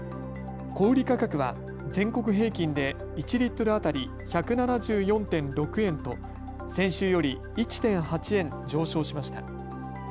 小売価格は全国平均で１リットル当たり１７４．６円と先週より１．８円上昇しました。